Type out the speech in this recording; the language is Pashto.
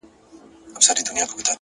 نیکي د وخت په تېرېدو ارزښتمنېږي.!